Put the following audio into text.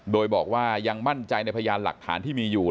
โดยบอกว่ายังมั่นใจในพยานหลักฐานที่มีอยู่